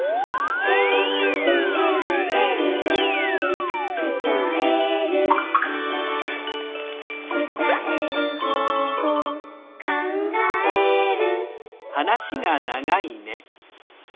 「えるえるえるえる」「つたえる」「つたえる方法」「かんがえる」